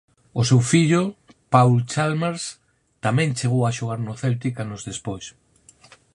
O seu fillo Paul Chalmers tamén chegou a xogar no Celtic anos despois.